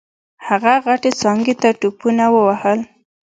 هغه غټې څانګې ته ټوپونه ووهل.